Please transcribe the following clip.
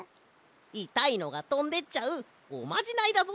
いたいのがとんでっちゃうおまじないだぞ。